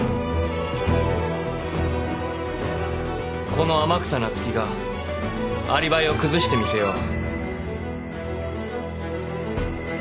この天草那月がアリバイを崩してみせよう。